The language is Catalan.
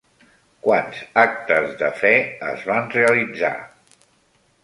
Quants actes de fe es van realitzar?